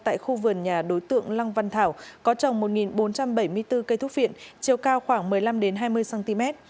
tại khu vườn nhà đối tượng lăng văn thảo có trồng một bốn trăm bảy mươi bốn cây thuốc viện chiều cao khoảng một mươi năm hai mươi cm